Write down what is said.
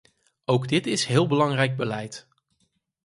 Ook dit is heel belangrijk beleid.